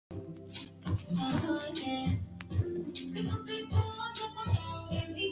Na goli lake kuwa zuri kutokea kwenye mashindano hayo